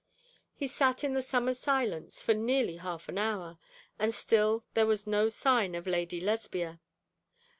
He sat in the summer silence for nearly half an hour, and still there was no sign of Lady Lesbia.